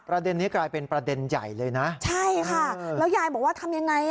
ประเด็นนี้กลายเป็นประเด็นใหญ่เลยนะใช่ค่ะแล้วยายบอกว่าทำยังไงอ่ะ